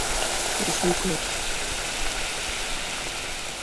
শশী কয়েকটি টিভি নাটকে অভনয় করেন।